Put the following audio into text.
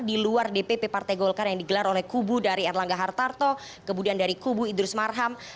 di luar dpp partai golkar yang digelar oleh kubu dari erlangga hartarto kemudian dari kubu idrus marham